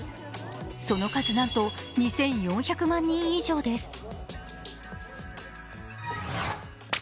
その数、なんと２４００万人以上です。